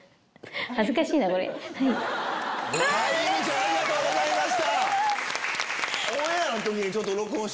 ありがとうございます！